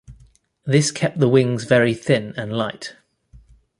This kept the wings very thin and light.